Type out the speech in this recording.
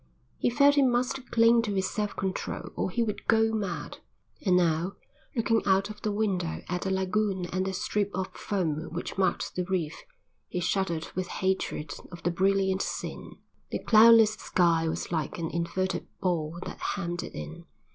He felt he must cling to his self control or he would go mad. And now, looking out of the window at the lagoon and the strip of foam which marked the reef, he shuddered with hatred of the brilliant scene. The cloudless sky was like an inverted bowl that hemmed it in.